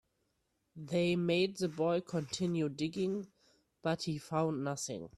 They made the boy continue digging, but he found nothing.